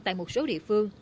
tại một số địa phương